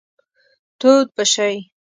تود به شئ.